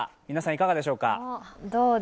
いかがでしょうか。